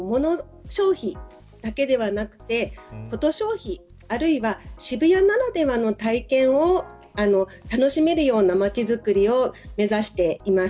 モノ消費だけではなくてコト消費あるいは渋谷ならではの体験を楽しめるような街づくりを目指しています。